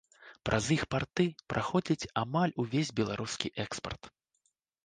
Праз іх парты праходзіць амаль увесь беларускі экспарт.